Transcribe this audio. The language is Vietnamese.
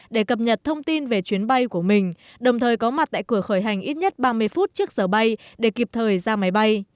để cập nhật thông tin về chuyến bay của mình đồng thời có mặt tại cửa khởi hành ít nhất ba mươi phút trước giờ bay để kịp thời ra máy bay